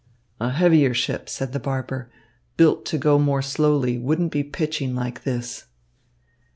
"A heavier ship," said the barber, "built to go more slowly, wouldn't be pitching like this."